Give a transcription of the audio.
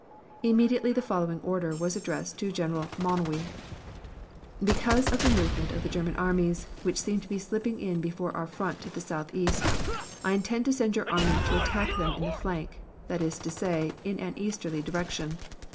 Immediately the following order was addressed to General Manoury: Because of the movement of the German armies, which seem to be slipping in before our front to the southeast, I intend to send your army to attack them in the flank, that is to say, in an easterly direction.